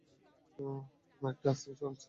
আরেকটা আসতে চলেছে।